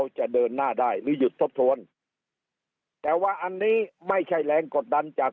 จะเดินหน้าได้หรือหยุดทบทวนแต่ว่าอันนี้ไม่ใช่แรงกดดันจาก